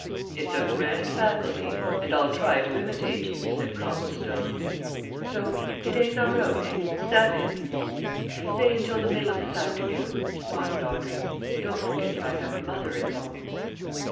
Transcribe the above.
"It's a grand faculty and I'll try to imitate you," said Copplestone. "So today's our own, eh? Is that it?" "Say until the middle of this afternoon," responded Audrey. "Don't forget that I have a mother at home."